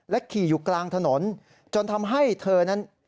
ขี่อยู่กลางถนนจนทำให้เธอนั้น